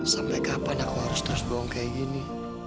sampai kapan aku harus terus buang kayak gini